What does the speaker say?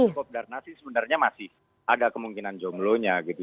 kalau misalnya untuk presiden bob darnasi sebenarnya masih ada kemungkinan jomblonya gitu